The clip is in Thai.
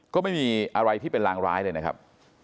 ก็ไม่มีอะไรที่เป็นรางร้ายเลยนะครับ